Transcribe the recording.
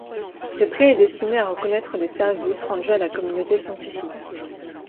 Le prix est destiné à reconnaître les services rendus à la communauté scientifique.